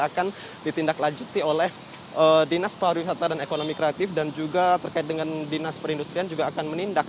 akan ditindaklanjuti oleh dinas pariwisata dan ekonomi kreatif dan juga terkait dengan dinas perindustrian juga akan menindak